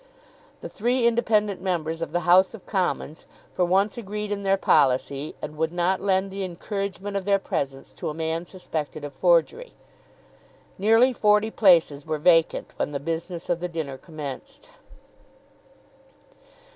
The three independent members of the House of Commons for once agreed in their policy, and would not lend the encouragement of their presence to a man suspected of forgery. Nearly forty places were vacant when the business of the dinner commenced.